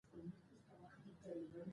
د ولسمشر غني نیولې